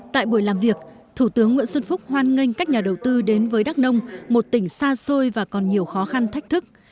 tại buổi làm việc thủ tướng nguyễn xuân phúc hoan nghênh các nhà đầu tư đến với đắk nông một tỉnh xa xôi và còn nhiều khó khăn thách thức